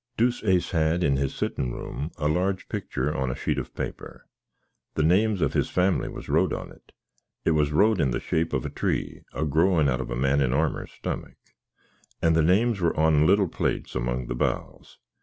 Deuceace had, in his sittin room, a large pictur on a sheet of paper. The names of his family was wrote on it: it was wrote in the shape of a tree, a groin out of a man in armer's stomick, and the names were on little plates among the bows.